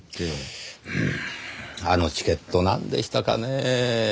うーんあのチケットなんでしたかねぇ？